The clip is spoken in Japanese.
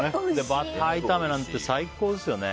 バター炒めなんて最高ですよね。